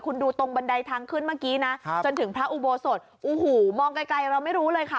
คุณดูตรงบันไดทางขึ้นเมื่อกี้นะจนถึงพระอุโบสถโอ้โหมองไกลเราไม่รู้เลยค่ะ